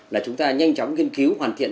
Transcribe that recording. là chúng ta nhanh chóng nghiên cứu hoàn thiện